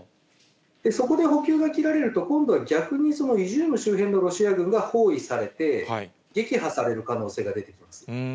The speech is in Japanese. そこで補給が切られると、今度は逆にそのイジューム周辺のロシア軍が包囲されて、撃破される可能性が出てきます。